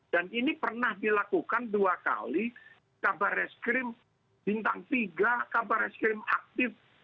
dan ini pernah dilakukan dua kali kabar reskrim bintang tiga kabar reskrim aktif